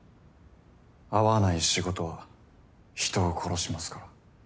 合わない仕事は人を殺しますから。